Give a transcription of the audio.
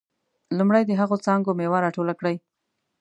لومړی د هغه څانګو میوه راټوله کړئ.